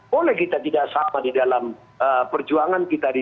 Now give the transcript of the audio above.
boleh kita tidak sama di dalam perjuangan kita di dua ribu dua puluh empat